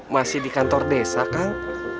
masih di kantor desa kang